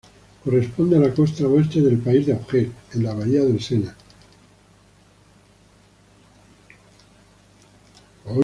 Corresponde a la costa oeste del País de Auge, en la bahía del Sena.